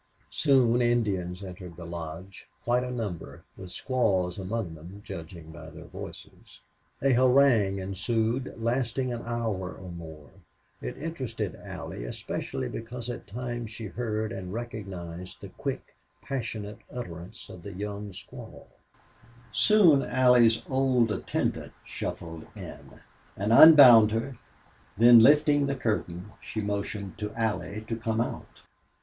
Soon Indians entered the lodge, quite a number, with squaws among them, judging by their voices. A harangue ensued, lasting an hour or more; it interested Allie, especially because at times she heard and recognized the quick, passionate utterance of the young squaw. Soon Allie's old attendant shuffled in, and unbound her, then, lifting the curtain she motioned to Allie to come out.